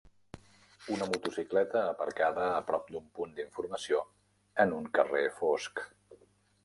Una motocicleta aparcada a prop d'un punt d'informació en un carrer fosc